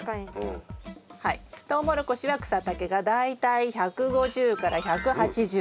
はいトウモロコシは草丈が大体１５０１８０。